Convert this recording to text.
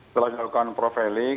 setelah dilakukan profiling